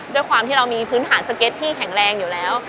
ด้วยความที่เรามีพื้นฐานสเก็ตที่แข็งแรงอยู่แล้ว